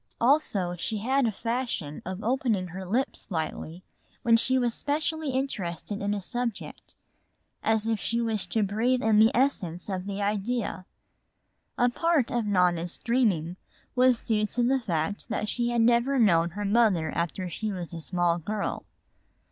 Also she had a fashion of opening her lips slightly when she was specially interested in a subject, as if she wished to breathe in the essence of the idea. A part of Nona's dreaming was due to the fact that she had never known her mother after she was a small girl.